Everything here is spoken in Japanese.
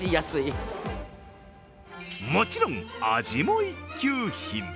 もちろん味も一級品。